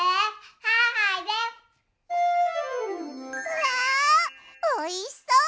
うわおいしそう！